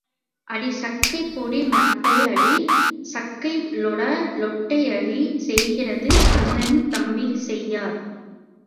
அடி சக்கை பொடி மட்டை அடி சக்கை, லொட லொட்டை அடி செய்கிறது அண்ணன் தம்பி செய்யார்.